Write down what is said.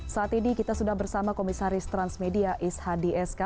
saat ini kita sudah bersama komisaris transmedia is hadi sk